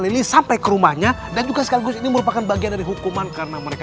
lili sampai ke rumahnya dan juga sekaligus ini merupakan bagian dari hukuman karena mereka